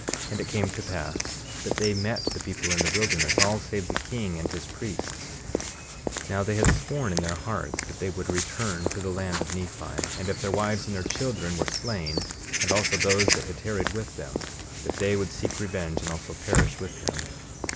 And it came to pass that they met the people in the wilderness, all save the king and his priests. 19:19 Now they had sworn in their hearts that they would return to the land of Nephi, and if their wives and their children were slain, and also those that had tarried with them, that they would seek revenge, and also perish with them.